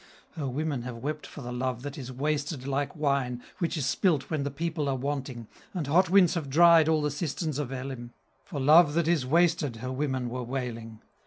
"Her women have wept for the love that is wasted Like wine, which is spilt when the people are wanting, And hot winds have dried all the cisterns of Elim! For love that is wasted her women were wailing!